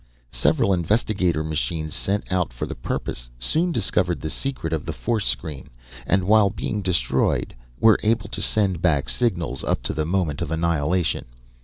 Several investigator machines sent out for the purpose soon discovered the secret of the force screen, and while being destroyed, were able to send back signals up to the moment of annihilation.